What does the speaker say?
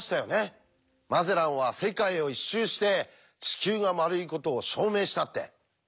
「マゼランは世界を一周して地球が丸いことを証明した」って。